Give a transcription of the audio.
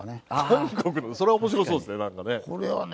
それは面白そうですねなんかね。